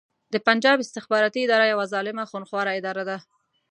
د پنجاب استخباراتې اداره يوه ظالمه خونښواره اداره ده